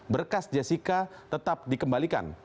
berkas jessica tetap dikembalikan